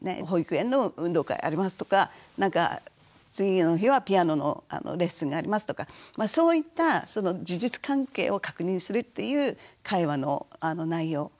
「保育園の運動会あります」とか「次の日はピアノのレッスンがあります」とかそういった事実関係を確認するっていう会話の内容。